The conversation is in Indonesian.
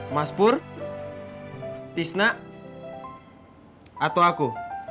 mas pur tisna atau aku